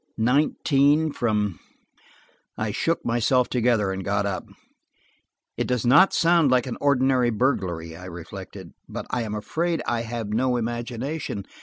"Nineteen from–" I shook myself together and got up. "It does not sound like an ordinary burglary," I reflected. "But I am afraid I have no imagination.